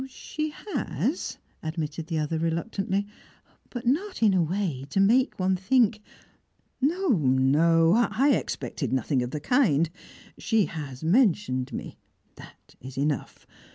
"She has," admitted the other reluctantly, "but not in a way to make one think " "No, no! I expected nothing of the kind. She has mentioned me; that is enough.